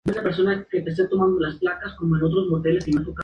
Sobre el pecho del águila aparece el escudo de los Estados Unidos.